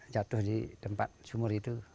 jatuh di tempat sumur itu